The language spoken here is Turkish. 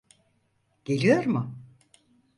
Geliyor mu?